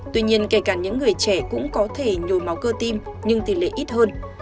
tuy nhiên kể cả những người trẻ cũng có thể nhồi máu cơ tim nhưng tỷ lệ ít hơn